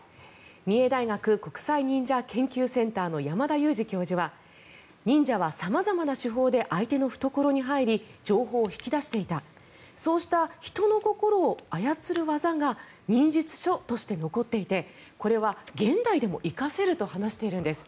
三重大学国際忍者研究センターの山田雄司教授は忍者は様々な手法で相手の懐に入り情報を引き出していたそうした人の心を操る技が忍術書として残っていてこれは現代でも生かせると話しているんです。